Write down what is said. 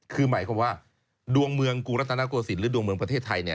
คือหมายความว่าดวงเมืองกุฤษนาโกศิษฐ์หรือดวงเมืองประเทศไทยเนี่ย